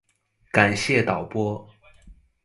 感謝導播